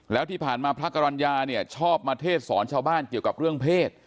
แล้วที่ผ่านมาพระกรรณญาเนี่ยชอบมาเทศสอนชาวบ้านเกี่ยวกับเรื่องเพศ